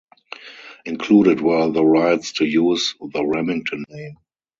Included were the rights to use the Remington name.